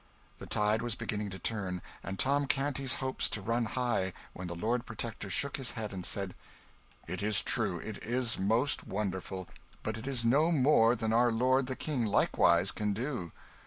The tide was beginning to turn, and Tom Canty's hopes to run high, when the Lord Protector shook his head and said "It is true it is most wonderful but it is no more than our lord the King likewise can do."